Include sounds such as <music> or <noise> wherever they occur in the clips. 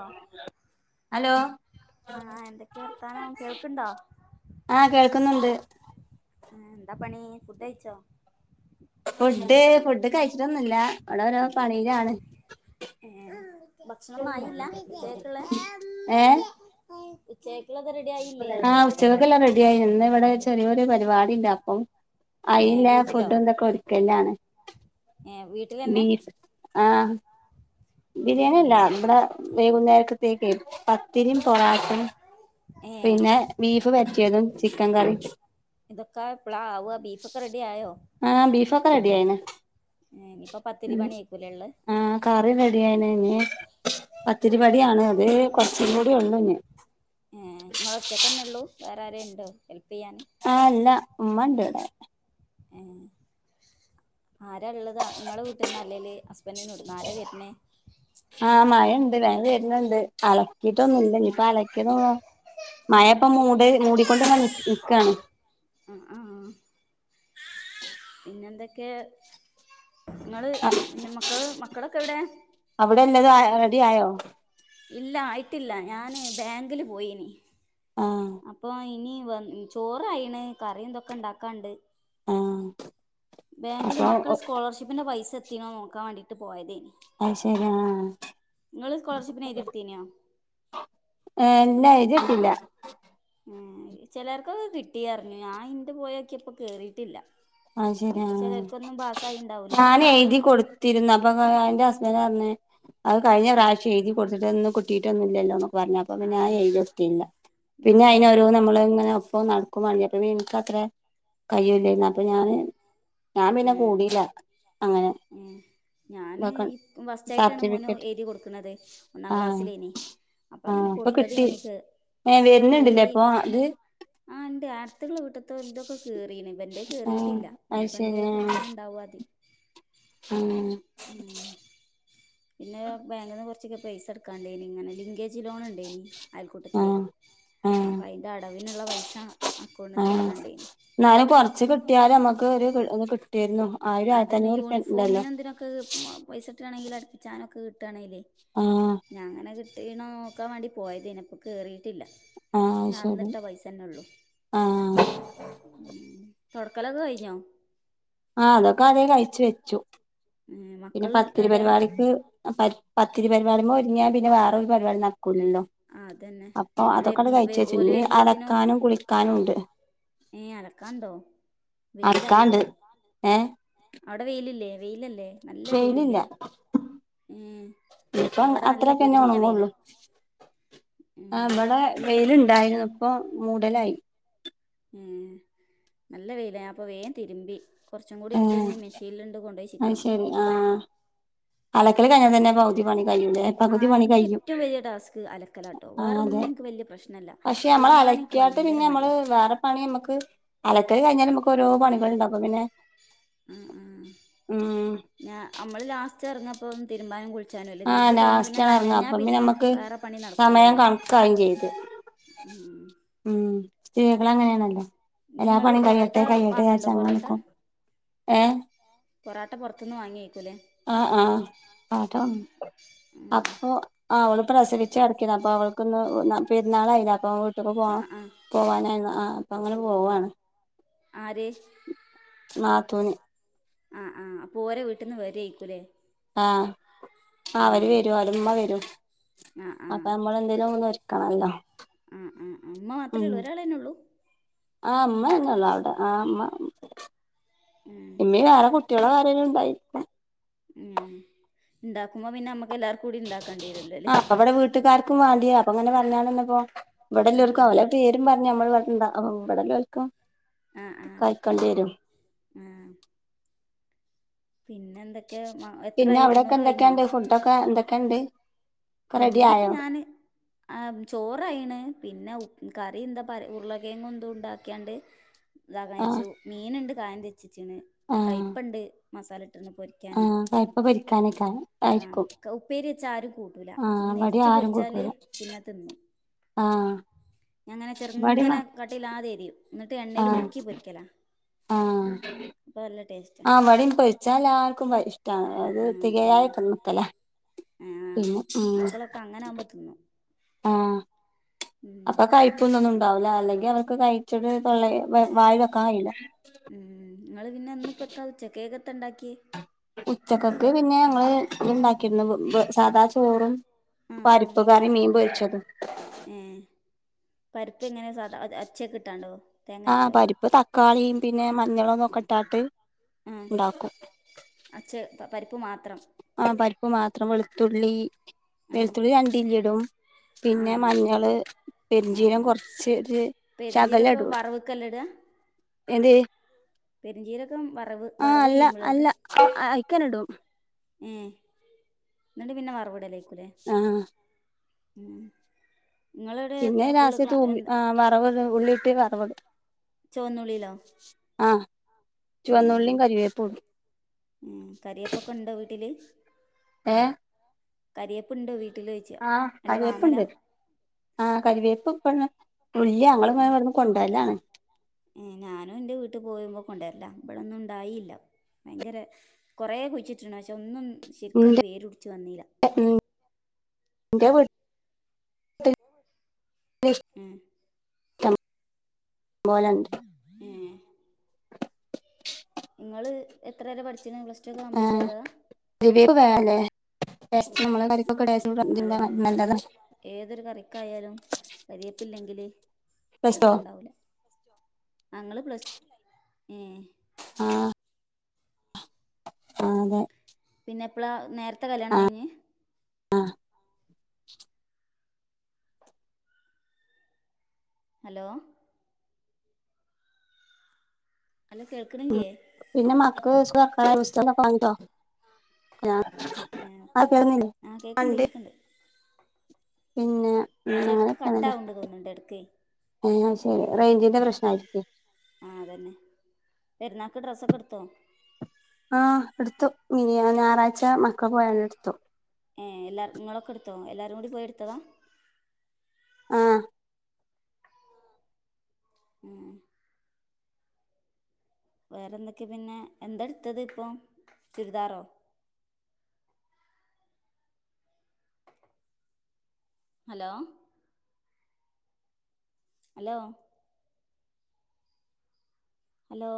ആഹ് hello ആഹ് എന്തൊക്കെയാ വർത്താനം കേൾക്കുണ്ടോ ആഹ് കേൾക്കുന്നുണ്ട് ആഹ് എന്താ പണി ഫുഡ് കയിച്ചോ ഫുഡ് ഫുഡ് കഴിച്ചിട്ടൊന്നൂല്ല ഇവിടെ ഓരോ പണിയിലാണ്. ഏഹ് ഭക്ഷണൊന്നും ആയില്ല ഉച്ചത്തേക്ക് ഉള്ള ഏഹ് ഉച്ചേക്ക് ഉള്ളത് റെഡി ആയില്ലേ ഉച്ചക്കുള്ളതല്ലാം റെഡിയായി ഇന്ന് ഇവിടെ ചെറിയൊരു പരിപാടി ഉണ്ട് അപ്പോ ഏ ആയില്ല വീട്ടിലോ ഫുഡ് ഉണ്ടാക്കെ ഒരുക്കലാണ് ഏ വീട്ടിലന്നെ ബീഫ് ആഹ് ബിരിയാണി അല്ല നമ്മടെ വൈകുന്നേരത്തേക്ക് പത്തിരിയും പൊറാട്ടയും ഏ പിന്നെ ബീഫ് വരറ്റിയതും ചിക്കൻ കറിയും ഇതൊക്കെ എപ്പളാ ആവുക ബീഫ് ഒക്കെ റെഡിയായോ ആഹ് ബീഫൊക്കെ റെഡി ആയിന് ഏഹ് ഇനീപ്പൊ ഉം ആഹ് കറി റെഡി ആയീന് ഇനി പത്തിരി പടിയാണ് അത് കുറച്ചും കൂടി ഉള്ളു ഇനി നിങ്ങള് ഒറ്റക്കന്നെ ഉള്ളൂ വേറെ ആരേലു ഉണ്ടോ ഹെൽപ്പ് ചെയ്യാൻ. ആ അല്ല ഉമ്മണ്ട ഇവിടെ. ഏഹ്. ആര ഉള്ളത് നിങ്ങളെ വീട്ടീ നിന്ന് അല്ലേല് ഹസ്ബന്റെടുന്ന് ആര വരണേ? ആഹ് മഴയിണ്ട് വരുന്നുണ്ട് അലക്കിയിട്ടൊന്നുമ ഇല്ല ഇ ഇപ്പൊ അലക്കി തോന്നോ. മഴപ്പ മൂട് മൂടിക്കൊണ്ടന്ന നി നിൽക്കുവയാണ്. ആ ആഹ്. പിന്നെന്തൊക്കെ? നിങ്ങള് പിന്നെ മക്കള് മക്കളൊക്കെ എവിടെ? അവിടെ എല്ലതും റെഡി ആയോ ഇല്ല ആയിട്ടില്ല ഞാന് ബാങ്കില് പോയിന്. ആഹ് അപ്പൊ ഇനി ചോറയിണ് കറി ഇതൊക്കെ ഇണ്ടാക്കാണ്ട്. ആഹ് ബാങ്കില് അപ്പൊ മക്കള് സ്കോളർഷിപ്പിന്റെ പൈസ എത്തിണോ നോക്കാൻ വേണ്ടിട്ട് പോയതേണ്. അത് ശരി ആഹ്. സ്കോളർഷിപ്പിന് എഴുതി എടുത്തീനോ ആ എല്ലാ ഇതിട്ടില്ല. ഉം ചിലർക്ക കിട്ടിയറിഞ്ഞു ഞാൻ ഇന്ന് പോയൊക്കിയപ്പോ കേറിട്ടില്ല. ആ ശരി ഞാൻ എഴുതി കൊടു. തിരന്ന് അപ്പൊ അതിന്റെ ഹസ്ബൻഡറ് പറഞ്ഞത്, അത് കഴിഞ്ഞ ആ പ്രാവശ്യം എഴുതി കൊടുത്തിട്ട് ഒന്ന് കിട്ടിയിട്ടൊന്ന ഇല്ലോല്ലോ. പറഞ്ഞ അപ്പ പിന്നെ ആ എ ഒല്ല എന്നാ പിന്നെ അതിന രോ അതായിരിക്കും നമ്മള് ഇങ്ങനെ ഒപ്പ നട. ക്ക മണ അപ്പ എനിക്കത്ര കയല്ലുന്ന അപ്പൊ ഞാൻ ഞാൻ പിന്നെ കൂടില്ല. ഉം. ഞാന് ഈ ഫസ്റ്റയിട്ടാണ് മോന് സർട്ടിഫിക്കറ്റ് എഴുതി കൊടുക്കണുന്നത് ഒന്നാം ആഹ് ക്ലാസ്സിലേനി. അപ്പൊ അങ്ങനെ ആഹ് ഇപ്പൊ കൊടുത്തത് കിട്ടി എനിക്ക് ഏഹ് വരുന്നുണ്ടില്ലേ കേറി. അപ്പൊ അത് ആഹ് ഇണ്ട് അടുത്തക്കുള്ള വീട്ടത്തലതൊക്കെ കേയറീ ഇപ്പ എന്റെയ ആഹ് കേറിയിട്ടില്ല അത് ഇനിയിപ്പ എന്താ ശരി പ്രശ്നംണ്ടോ. അവാതി. ഉം. <inaudible> പിന്നെ ബാങ്കിൽ നിന്ന് കുറച്ചൊക്കെ പൈസ എടുക്കാണ്ടേനി ഇങ്ങനെ ലിങ്കേജ് ലോണിഉണ്ടേനി. അയൽക്കൂട്ടത്തിലേ ആഹ് ആഹ് അപ്പോൾ അതിൻ്റെ അടവിനുള്ള പൈസ അക്കൗണ്ടിൽ നിന്ന് എടുക്കാണ്ടേന് എന്നലും കൊറച്ച് കിട്ടിയാല നമ്മക്ക് ഒരു കിട്ടിരുന്നു. അതന്നെ യൂണിഫോമിനന് എന്തിനൊക്കെ പൈസ ഇട്ടാണെങ്കിൽ അടുപ്പിച്ചാനൊക്കെ കിട്ടുകയാണെങ്കല്ലേ. ആഹ്. ഞാങ്ങനെ കിട്ടീണോ നോക്കാൻ വേണ്ടി പോയതിന്നെപ്പം. കേറിയിട്ടില്ല ആഹ് അത് ഞാൻ ശരി അന്നിട്ട പൈസ തന്നെ ഉള്ളൂ. ആഹ്. തുടക്കലൊക്കെ കഴിഞ്ഞോ? ആ അതൊക്കെ അതേ കഴിച്ച വെച്ചു. ഏഹ് പിന്നെ മക്കൾ പത്തിരി എവിടെ പരിപാടിക്ക് പത്തിരി പരിപാടി്പ ഒരുങ്ങാ പിന്നെ വേറൊരു പരിപാടി. ല്ലല്ലോ ആഹ് അതന്നെ അപ്പൊ പിന്നെ അതൊക്കെണ്ട് വരുന്ന വരു ഓല് കഴിച്ചച്ചിണ്ട് അലക്കാനും കുളിക്കാനും ഉണ്ട്. ഏയ് അലക്കാണ്ടോ അലക്കാണ്ട് വെയിലായില്ലേ? ഏഹ് അവിടെ വെയിലല്ലേ വെയിലല്ലേ നല്ല വെയിലില്ലേ? ഏഹ് ഇപ്പ ഇന്നവിടെ നല്ല അത്രക്കെന്നെ പൊരിഞ്ഞ വെയിലാ ഉണങ്ങള്ളു. ഉം ഇടെ വെയില്ണ്ടായിരുന്നുപ്പോ മൂടലായി. ഉം നല്ല വെയില ഞാപ്പോ വേം തിരുമ്പി. കുറച്ചും കൂടിണ്ട്നി മിഷീനിൽണ്ട് കൊണ്ടോയി ചിക്കണം ആഹ് അലക്കൽ കയിഞ്ഞാ തന്നെ പകുതി പണി കയ്യുംല്ലേ? ആ പകുതി പണി എനിക്ക് കയ്യും. ഏറ്റവും വലിയ ടാസ്ക് അലക്കലാട്ടോ ആഹ് അതെ വേറൊന്നും എനിക്ക് വലിയ പ്രശ്നല്ല പക്ഷെ തിരുമ്പാൻ എനിക്ക് മ്മളലക്കിയാട്ട് ഭയങ്കര പിന്നെ നമ്മള് മടിയാ വേറെ പണി നമുക്ക് അലക്ക കഴിഞ്ഞാലും നമുക്ക് ഓരോ പണികൾ ഉണ്ടാ അപ്പും പിന്നെ. ആഹ് ഉം ആഹ് ഞമ്മള് ലാസ്റ്റ് ഇറങ്ങപ്പോ തീരുബാനും കുളിച്ച ച്ചാനല്ലേ ആ തിരുമ്പി കൈഞ്ഞാ ലാസ്റ്റ് പിന്നെ ആണ് ഇറങ്ങ നനഞ്ഞാ അപ്പം പിന്നെ നമ്മക്ക് വേറെ പണി സമയം നടക്കൂലല്ലോ. <inaudible> കണക്കാവും ചെയ്ത് ഉം സ്ത്രീകളങ്ങനേണല്ലോ. എല്ലാ നിങ്ങള് പണിം പൊറോട്ട കയ്യട്ടെ കയ്യട്ടെ വാങ്ങണ്ടോ വിജാര്ച്ചങ്ങനേ പൊറോട്ട നിക്കും ഏ. പൊറാട്ട പൊർത്ത്ന്ന് വാങ്യേക്കൂലേ? ആഹ് ആഹ് റാട്ട ങ്ങി ഉം അപ്പൊ ആ ഓള് പ്രസവിച്ച് കട്ക്കെന്ന് അപ്പോ ഓൾക്ക്ന്ന് പെര്ന്നാളായിലെ അപ്പൊ വീട്ക്ക് ആ പോണം. ആ പോവാഞ്ഞാല് ആ പ്പങ്ങനെ പോവാണ്. ആര്? നാത്തൂന്. ആഹ് ആഹ് അപ്പോരെ വീട്ട്ന്ന് വരെക്കൂലെ. ആ അവര് വരും അവരമ്മ വരും ആഹ് അപ്പൊ ആഹ് അമ്മളെന്തേലൊന്ന് ഒര് ക്കണല്ലോ. ഉം ഉം ഉം മ്മ മാത്രള്ളൂ ഒരാളന്നെള്ളൂ? ആ മ്മന്നേള്ളൂ അവ്ടെ ആ മ്മ. ഉം. ഇമ്മിം വേറെ കുട്ട്യ ളാരേലുണ്ടായിരിക്കും. ഉം ഇട്ടാക്കുമ്പോ പിന്നാമ്മക്കെ ല്ലാർ ആ പ്പൊഇവ്ടെ വീട്ട്കാർക്കും വേണ്ടിയാ അപ്പൊങ്ങനെ പർഞ്ഞാന്നപ്പോ ആഹ് ഇവിടെല്ലോൽക്കും ആഹ് ഓലെ പേ രും പർഞ്ഞ് അമ്മൾ ഇവ്ടെ ഇണ്ടാ ഇവ്ടെല്ലോല്ക്കും കയ്കണ്ടേരും. ഏ. പിന്നെന്തൊക്കെ മ എത്രായി തൊണ്ണൂറ് കയ്ഞ്ഞോ? ഇപ്പൊക്കെ ന്തൊക്കെണ്ട്. ഇന്നിപ്പ ഞാന് ആ ചോറായീണ് പിന്നെ ഉ കറി എന്താപ്പ ഉർളകേങ്ങും ഇതും ണ്ടാ ക്യാണ്ട്. ആഹ് ഇതാകണേച്ചു മീന്ണ്ട് കായം തെച്ചെച്ചീണ് ആഹ് കയ്പ്പണ്ട് മസാല ഇട്ട്ണ് പൊര് ക്യാനെ ആഹ് കയ്പ്പ പൊരിക്കാനൊക്കാണ് ആ ആയിരിക്കും ഉപ്പേരി വെച്ചാ ആരും കൂട്ടൂല. ആഹ് ഇവടിം നെര്ച്ച് ആരും പൊര്ച്ചാല് കൂട്ടൂല പിന്നെ ത്‌ന്നും ആഹ് ഞ്ഞാങ്ങനെ ഇവടിം മ ചെർങ്ങനെ കട്ടില്ലാതെ എരിം ന്ന്ട്ട് എണ്ണേല് ആഹ് മുക്കി പൊരിക്കല അപ്പൊ നല്ല ടേസ്റ്റ ആ ഇവെടീം പൊര്ച്ചാല്ലാർക്കും ഇഷ്ടാണ് അത് ആ ആ തികയായൊക്കെ നിക്കല. ആ മക്കളൊക്കെ അങ്ങനാവു മ്പോ തിന്നും. ആഹ്. ഉം അപ്പം കയ്പ്പൊന്നൊന്നുംണ്ടാവൂല അല്ലെങ്കി അവർക്ക് കയ്ച്ച്ട്ട് തൊള്ളെ വായീൽ വെക്കാൻ കയൂല്ല. ഉം ങ്ങള് പിന്നെ ഇന്നിപ്പത്താ ഉച്ച കേക്കത്തണ്ടാക്ക്യാ? ഉച്ചകക്ക് പിന്നെ അങ്ങള് ഇത് ണ്ടാക്കിര്ന്നു സാദാ ചോറും പരിപ്പ് കറിം മീൻ പൊര്ച്ചതും. മ് പരിപ്പ് എങ്ങനെ സാധാ അച്ചക്ക്ട്ടാണ്ടോ? ആ പരിപ്പ് തക്കാളീം പിന്നെ മഞ്ഞളൊകൊക്കെ ഇട്ടാണ്ട് മ് ആ ഛെ പരിപ്പ് മാത്രം. ആ പര്പ്പ് മാത്രം വെളുത്തുള്ളി ആ വെൾത്തുള്ളി രണ്ടില്ലിടും. ആ പിന്നെ മഞ്ഞള് ആ പെര്ഞ്ചീരം ആ കൊർച്ച് ഒര് ശകലടൊള്ളൂ. ല്ലടാ ഏത്? പെര്ഞ്ചീരകം വറവ് വറവെ യ്യുമ്പല്ലെഇട? അ അയ്ക്കനിടും. ഏ ന്ന്ട്ട് പിന്നെ വറവിടലേക്കുലെ. ആ മ് പിന്നെ ഇങ്ങളടെത്തെ ഫുള്ള് ലാസ്റ്റ് ക തൂമി എന്താ <unintelligible> ഉള്ളിട്ട് വറവിടും. ചുവന്നുള്ളിലോ? ആഹ് ചുവന്നുള്ളിം കരിവേപ്പുംണ്ടും. ഉം കര്യാപൊക്കെ ഇണ്ടോ വീട്ടില്? ഏ. കരിയേപ്പ് ണ്ടോ വീട്ടില് ചോയ്ച്ച അല്ലെ വാങ്ങലാ? ആഹ് കറിവേപ്പ് ഇപ്പണ് ഇല്ല്യാ ഞങ്ങള്ങ്ങനെ വട്ന്ന് കൊണ്ടോവലാണ്. ഏഹ് ഞാനും ഇന്റെ വീട്ട് പോരുമ്പം കൊണ്ടര്ലാ. ഇവടൊന്നും ഇണ്ടായീല്ല ഭയങ്കര കൊറെ കുയ്ച്ചിട്ട്ണ്. പക്ഷെ ഒന്നും ശരിക്കട് വേരുട്ച്ച് വന്നീല്ല. <unintelligible> <unintelligible> ഏ ഷ്‌ടം പോലെണ്ട് ഏഹ്. ഇങ്ങള് എത്ര വരെ പഠിച്ച്ണ്? പ്ലസ് ടു ഒക്കെ കംപ്ലീറ്റ് ആഹ് ചെയ്തതാ <unintelligible> അതന്നെ <unintelligible> അത് നല്ലതാ ഏതൊരു കറിക്കായാലും കരിയേപ്പില്ലെങ്കില് പ്ലസ് ടു രസണ്ടാവൂല. Plus two? ആഹ് ഇങ്ങള് പ്ലസ്. ഏഹ് ആഹ് ആഹ് അതെ പിന്നെപ്പളാ നേരത്തെ കല്യാണം കഴിഞ്ഞ് ആഹ് ഹലോ ഹലോ കേൾക്ണില്ലേ? പിന്നെ മക്ക് ഏ <unintelligible> <unintelligible> ആഹ് ആ കേക്ക്ണ്ട് ഇണ്ട്. കേക്ക്ണ്ട് പിന്നെ ഉം ശരിക്ക് അങ്ങനൊക്കേണ് ലേ. കട്ടാവ്ണ്ട് തോന്ന്ണ്ട് എടക്ക് ഏഹ് അഹ്ശരി. റേയ്ഞ്ചിന്റെ പ്രശ്നായിരിക്ക്‌വേ. ആഹ് അതന്നെ. പെരുന്നാക്ക് ഡ്രസ്സൊക്കെ ഇട്ത്തോ? ആഹ് ഇട്ത്തു. മിനിയാ ഞായറാഴ്ച മക്കള് പോയാണ്ട് ഇട്ത്തു. ഏഹ് എല്ലാരും ഇങ്ങളൊക്കെ ഇട്ത്തോ? എല്ലാരും കൂടി പോയി ഇട്ത്തതാ? ആഹ് ഏഹ് വേറെന്തൊക്കെ പിന്നെ, എന്താ ഇട്ത്തത് ഇപ്പം. ചുരിദാറോ hello hello hello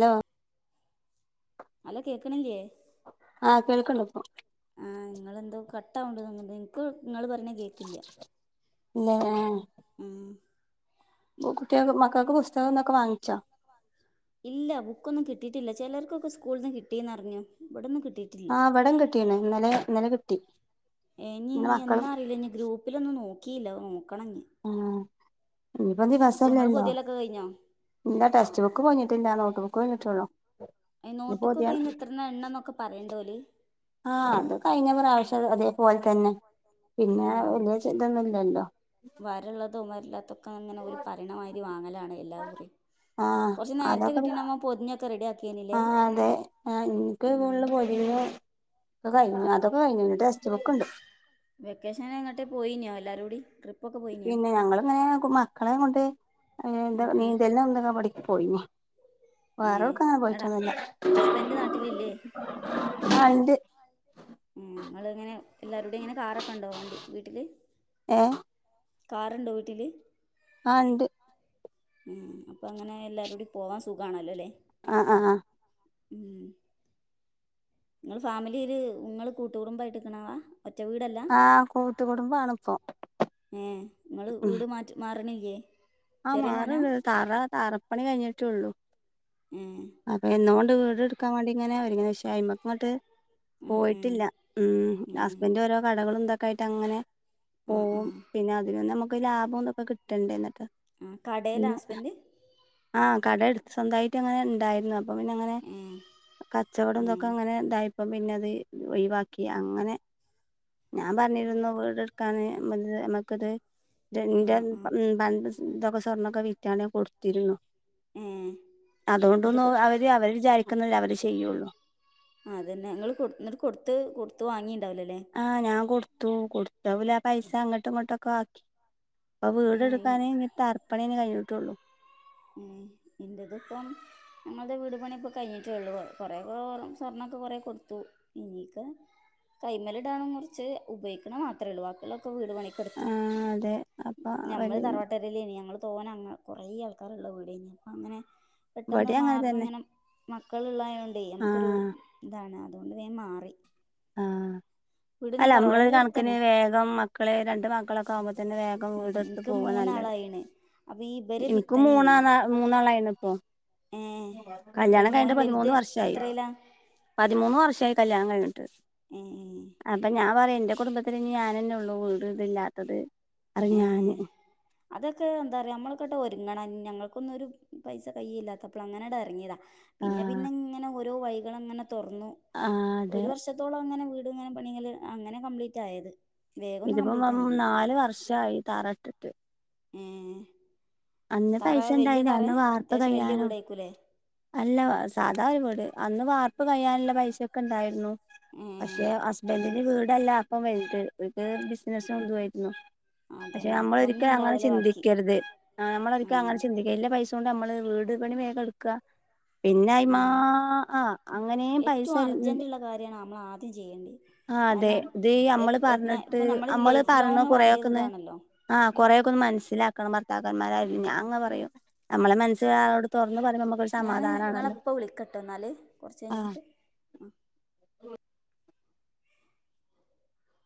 law hello കേക്ണില്ലേ? ആ കേൾക്കണ്ട് ഇപ്പൊ ആഹ് ഇങ്ങളെന്തോ കട്ടാവ്ണ്ട് നിങ്ങന്ന് ഇൻക്ക് ഇങ്ങള് പറിണെ കേക്കില്ല്യാ. ഇല്ല ലേ ഉം കു കുട്ടിയേക്ക് മക്കക്ക് പുസ്തകം ഇതൊക്കെ വാങ്ങിച്ചോ? ഇല്ല ബുക്കൊന്നും കിട്ടീട്ടില്ല. ചിലർക്കൊക്കെ സ്കൂളിന്ന് കിട്ടീന്ന റിഞ്ഞു. ഇവടൊന്നും കിട്ടീ ആഹ് ഇവടം കിട്ടീണ്. ഇന്നലെ ഇന്നലെ കിട്ടി ഏഹ് ഇനി ഇന്ന് മക്കളും എന്നാ അറീല്ല ഇഞ് ഗ്രൂപ്പിലൊന്നും നോകീല്ല, നോക്കണം ഞ്. ആ ഇനിയിപ്പോ സ്കൂൾ ഇങ്ങള് ദിവസല്ലല്ലോ പൊതിയലൊക്കെ കഴിഞ്ഞോ? ഇല്ല. ടെസ്റ്റ് ബുക്ക് പൊയിഞ്ഞിട്ടില്ലാ. നോട്ട് ബുക്ക് പൊയിഞ്ഞിട്ടൊള്ളൂ. ഏഹ് നോട്ടുക്കൊക്കെ അയിന് എത്രണ്ണാ എണ്ണംന്നൊക്കെ പറയണ്ടോല്. ആഹ് അത് കഴിഞ്ഞ പ്രാവശ്യം അതേപോലെ തന്നെ പിന്നേ ഉം വലിയ ച ഇതൊന്നും ഇല്ലല്ലോ വരള്ളതും വരല്ലാത്തൊക്കെ അങ്ങനെ ഒരു പറിണമായിരി വാങ്ങലാണ് എല്ലാ കുറിം. ആഹ് കൊറച്ച് നേരത്തെ അതൊക്കെ കിട്ടീണെ നമ്മ പൊതിഞ്ഞൊക്കെ റെഡിയാക്കേനിലേ. ആഹ് അതെ ആഹ് ഇൻക്ക് ഫുള്ള് പൊതിഞ്ഞു ഒക്കെ കഴിഞ്ഞു അതൊക്കെ കഴിഞ്ഞു ഇഞ് ടെസ്റ്റ് ബുക്ക്ണ്ട്. വെക്കേഷൻ എങ്ങട്ടേം പോയിന്യോ എല്ലാരൂടി ട്രി പിന്നെ ഞങ്ങള്ങ്ങനേ മക്കളേം കൊണ്ട് അങ്ങനെ എന്താ ആഹ് ആഹ് നീന്തൽ <unintelligible> പോയിനി ഏ വേറെവിട്ക്കും അങ്ങനെ എടാ പോയിട്ടൊന്നില്ല ഹസ്ബൻഡ് നാട്ടിലില്ലേ ആഹ് അയിന്റെ ഏ ങ്ങള് ഇങ്ങനെ എല്ലാരുടെ ഇങ്ങനെ കാറൊക്കെ ണ്ടോ വണ്ടി വീട്ടില് ഏഹ് കാറ് ണ്ടോ വീട്ടില് ആഹ് ഇണ്ട് ഉം അപ്പം അങ്ങനെ എല്ലാരുടി പോവാൻ സുഖാണല്ലോ ലേ ആഹ് ആഹ് ആഹ് ഉം ങ്ങള് ഫാമിലിയില് ങ്ങള് കൂട്ടുകുടുമ്പ ആയിട്ട്ക്കണാവാ ഒറ്റ വീടല്ലാ ആഹ് കൂട്ടുകുടുംബം ആണുപ്പം ഏഹ് ങ്ങള് വീട് മാറ്റ് മാറണില്ല്യേ ആഹ് മാറണ്ട് തറാ തറപ്പണി കഴിഞ്ഞിട്ടേ ഒള്ളു ഏഹ് അപ്പൊ എന്നോണ്ട് വീടെടുക്കാ വേണ്ടിങ്ങന ഒരുങ്ങിയതാ പക്ഷേ അയിന്മക്ക് ഇങ്ങട്ട് ആ ആ പോയിട്ടില്ല ഉം ഹസ്ബൻഡ് ഓരോ കടകളും ഇതൊക്കെയായിട്ട് അങ്ങനെ ആ ആ പോവും പിന്നെ അതിന് നമ്മക്ക് ലാഭം ഒന്നുപ്പൊ കിട്ടണ്ടേ എന്നിട്ട് ആ കടയിലാ <unintelligible> ഹസ്ബൻഡ് ആഹ് കട എടു സ്വന്തായിട്ട് അങ്ങനെ ഉണ്ടായിരുന്നു അ അപ്പൊ പിന്നെ അങ്ങനെ ഏ കച്ചവടം ഏ ഇതൊക്കെ അങ്ങനെ ഇതായി പ്പം പിന്നെ അത് ഒഴിവാക്കി അങ്ങനെ ഞാൻ പറഞ്ഞിരുന്നു വീട് എട് ക്കാന് <unintelligible> മക്കത് ആ ആ <unintelligible> ഇതൊക്കെ സ്വർണ്ണൊക്കെ വിറ്റാണ് കൊടുത്തിരുന്ന് ഏ എന്നിട്ട് അതുകൊണ്ടൊന്നും കൊ- അവര് ത് അവര് വിചാരിക്കുന്ന അവര് ചെയ്യുള്ളൂ ആഹ് അതന്നെ ങ്ങള് കൊട് എന്നിട്ട് കൊടുത്ത് കൊടുത്ത് വാങ്ങീണ്ടാവില്ലല്ലേ ആഹ് ഞാൻ കൊടുത്തൂകൊടുത്ത അവല് ആഹ് പൈസ അങ്ങോട്ടും ഇങ്ങോട്ടൊക്കെ ആക്കി പ്പൊ വീട് ഏ എടുക്കാന് ഇനി തറപ്പണില്ലേ കഴിഞ്ഞിട്ടൊള്ളു ഏഹ് ഇന്റെതിപ്പം ഞങ്ങളുടെ വീട് പണിപ്പോ കഴിഞ്ഞിട്ടേ ഒള്ളൂ കൊറേ <unintelligible> സ്വർണ്ണൊക്കെ കൊറേ കൊടുത്തു എനീക്ക് കൈമേൽ ഇടാനും കൊറച്ച് ഉപയോക്കണ മാത്രേ ഒള്ളു ബാക്കി ഒള്ളക്കെ വീട് പണി കൊടുത്തു ആഹ് അതെ അപ്പൊ ഞമ്മള് അവര് തറവട്ട <unintelligible> ഞങ്ങള് പോവാനാ അങ്ങ് കൊറേ ആൾക്കാരൊള്ള വീട് അനി അങ്ങനെ പെട്ടെന്ന് ഇവിടെ മാറുന്ന തന്നെ അങ്ങനെ മക്കള് ഒള്ളായോണ്ടേ നമുക്കൊരു ആഹ് ഇതാണ് അതുകൊണ്ട് വേഗം മാറി ആഹ് വീട് അല്ല അമ്മളൊരു തറവാടിന്റെ കണക്കിന് അടുത്തന്നെ വേഗം മക്കള് രണ്ട് മക്കളൊക്കെ ആവുമ്പോ തന്നെ വേ ഗം ഉം വീടെട്ത്ത് ഇൻക്ക് പോവാ നല്ലത് മൂന്നാളായിണ് അപ്പൊ ഈ ഇബരെ ഇനിക്കും പിത്തനേം മൂന്നാളാ മൂന്നാളായിന ഇപ്പോ ഏ കല്യാണം മോന് കഴിഞ്ഞിട്ട് വലുത് പതിമൂന്ന് വർഷായി എത്രയിലാ പതിമൂന്ന് വർഷായി കല്യാണം കഴിഞ്ഞിട്ട് ഏഹ് ഏഹ് അപ്പൊ ഞാൻ പറയും ന്റെ കുടുംബത്തിൽ ഇനി ഞാനന്നെ ഒള്ളൂ വീട് ഇതും ഇല്ലാത്തത് ഏഹ് അതൊക്കേ എന്താ റയാ നമ്മള് കേട്ടോ ഒരുങ്ങണം ഞങ്ങൾക്കൊന്നും ഒരു പൈസ കൈയില്ലാത്തപ്പളാ അങ്ങനാടാ എറങ്ങിയതാ പിന്നെ ആഹ് പിന്നെ ഇങ്ങനെ ഓരോ വൈകള് അങ്ങനെ തൊറന്നു ആഹ് അതെ ഒരു വർഷ ത്തോളം അങ്ങനെ വീട് ഇങ്ങനെ പണികള് അങ്ങനെ കംപ്ലീറ്റായത് ഇതിപ്പോ നമ് നാലു വർഷായി തറട്ടിട്ട് ഏഹ് അന്ന് തറ പൈസ വല്ല്യ ഉണ്ടായിന് തറേ അന്ന് വാർപ്പ് അത്യാവശ്യം വല്ല്യ കഴിയാനും വീട് ആയിക്കൂല്ലേ അല്ല സാധാ ഒരു വീട് അന്ന് വാർപ്പ് കയാനുള്ള പൈസ ഒക്കെ ഉണ്ടായിരുന്നു ഏ പക്ഷെ ഹസ്ബൻഡിന് വീടല്ലാ അപ്പോ വലുത് ഇവർക്ക് ബിസിനസും ഇതും ആരുന്നു പക്ഷെ അതന്നെ നമ്മൾ ഇപ്പൊന്നും ഒരിക്കലും അങ്ങനെ ഉണ്ടാവൂല ബാക്കി ചിന്തിക്കരുത് നമ്മൾ ആ ഒരിക്കലും അങ്ങനെ ചിന്തിക്ക കയ്യില പൈസ കൊണ്ട് നമ്മള് വീട് പണി വേഗം എടുക്ക പിന്നെ അയ്മ്മാ ഉം ആഹ് അങ്ങനെയും പൈസ ഏറ്റവും <unintelligible> അർജൻ്റുള്ള കാര്യമാണ് നമ്മൾ ആദ്യം ചെയ്യേണ്ടത് ആഹ് അതെ കാരണം ഇത് അമ്മള് പറഞ്ഞിട്ട് ഇപ്പം നമ്മുടെ അമ്മള് ലൈഫ് പറണ ലോങ് കൊറേക്കൊന്ന് വേണ്ടിയതാണല്ലോ ആഹ് കൊറേക്കൊന്ന് ഒന്ന് മനസ്സിലാക്കണം ഭർത്താക്കന്മാരായാലും ഞാൻ അങ്ങ പറയും നമ്മളെ മനസ് ഒരാളോട് തുറന്ന് പറയുമ്പോ നമുക്ക് ഞാന് നിങ്ങളെ ഇപ്പോ വിളിക്കട്ടെ എന്നാല് കുറച്ച് കഴിഞ്ഞിട്ട് ആ ഉം